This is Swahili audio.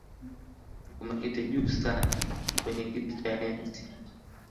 Umeketi juu sana, kwenye kiti cha enzi